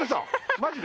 マジで？